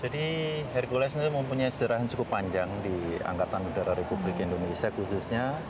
jadi hercules ini mempunyai sejarah yang cukup panjang di angkatan udara republik indonesia khususnya